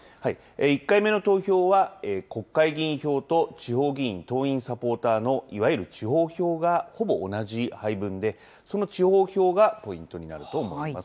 １回目の投票は国会議員票と地方議員、党員・サポーターのいわゆる地方票がほぼ同じ配分で、その地方票がポイントになると思います。